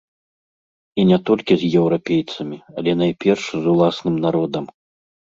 І не толькі з еўрапейцамі, але найперш з уласным народам.